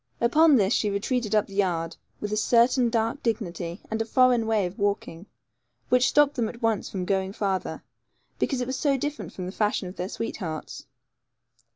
Upon this, she retreated up the yard, with a certain dark dignity, and a foreign way of walking, which stopped them at once from going farther, because it was so different from the fashion of their sweethearts.